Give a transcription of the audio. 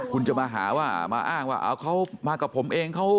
คุณจะมาหาว่ามาอ้างว่าเขามากับผมเอง